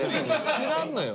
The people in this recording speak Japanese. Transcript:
知らんのよ。